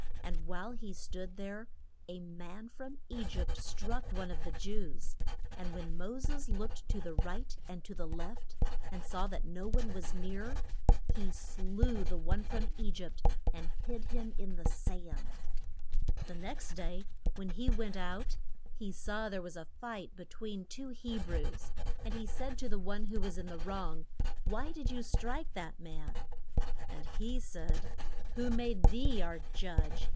And while he stood there a man from E gypt struck one of the Jews; and when Mo ses looked to the right and to the left and saw that no one was near, he slew the one from E gypt and hid him in the sand. And the next day, when he went out, he saw there was a fight be tween two He brews. And he said to the one who was in the wrong, Why did you strike that man? And he said, Who made thee our judge?